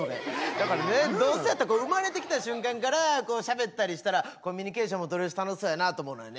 だからねどうせやったら生まれてきた瞬間からしゃべったりしたらコミュニケーションも取れるし楽しそうやなと思うのよね。